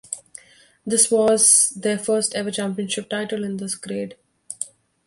This was their first ever championship title in this grade.